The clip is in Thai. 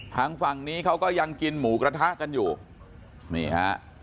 ทางฝั่งนี้เขาก็ยังกินหมูกระทะกันอยู่นี่ฮะ